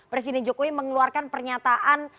presiden jokowi mengeluarkan pernyataan